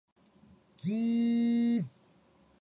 桜が散って、このように葉桜のころになれば、私は、きっと思い出します。